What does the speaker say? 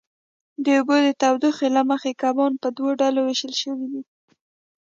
د اوبو د تودوخې له مخې کبان په دوو ډلو وېشل شوي دي.